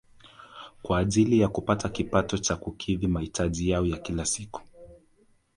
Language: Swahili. Kwa ajili ya kupata kipato cha kukidhi mahitaji yao ya kila siku